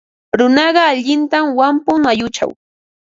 Runaqa allintam wampun mayuchaw.